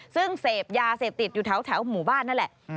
ซึ่งเสพยาเสพติดอยู่แถวหมู่บ้านนั่นแหละ